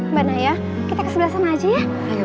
mbak naya kita ke sebelah sana aja ya